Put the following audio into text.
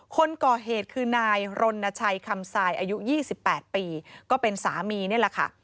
คนก่อเหตุคือนายรณชัยคำทรายอายุ๒๘ปีก็เป็นสามีนี่แหละค่ะ